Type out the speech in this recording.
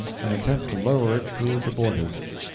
an attempt to lower it proved abortive.